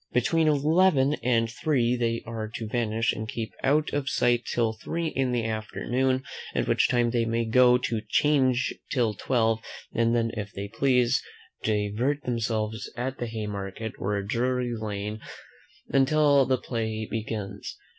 Between eleven and three they are to vanish, and keep out of sight till three in the afternoon, at which time they may go to 'Change till five; and then, if they please, divert themselves at the Haymarket, or Drury Lane until the play begins.